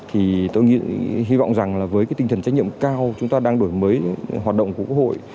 hy vọng rằng với tinh thần trách nhiệm cao chúng ta đang đổi mới hoạt động của quốc hội